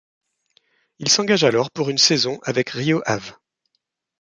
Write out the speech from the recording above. Il s'engage alors pour une saison avec Rio Ave.